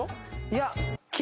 いや。